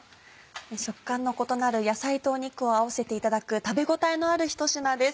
食感の異なる野菜と肉を合わせていただく食べ応えのある一品です。